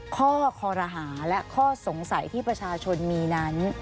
ข้อคอรหาและข้อสงสัยที่ประชาชนมีนั้น